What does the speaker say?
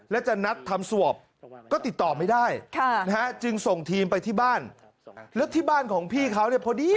และจะนัดทำสวอปก็ติดต่อไม่ได้จึงส่งทีมไปที่บ้านแล้วที่บ้านของพี่เขาเนี่ยพอดี